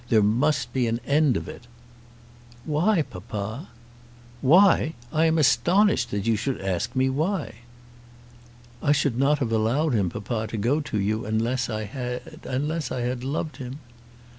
There must be an end of it." "Why, papa?" "Why! I am astonished that you should ask me why." "I should not have allowed him, papa, to go to you unless I had, unless I had loved him."